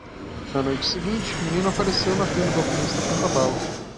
Na noite seguinte, o menino apareceu na tenda do alquimista com um cavalo.